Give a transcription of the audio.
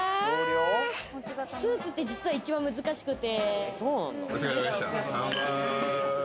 スーツって実は一番難しくて。